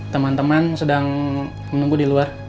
teman teman sedang menunggu diluar